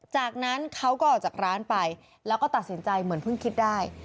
จากนั้นเขาก็ออกจากร้านไปแล้วก็ตัดสินใจเหมือนเพิ่งคิดได้